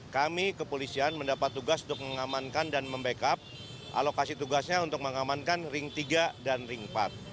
kami kepolisian mendapat tugas untuk mengamankan dan membackup alokasi tugasnya untuk mengamankan ring tiga dan ring empat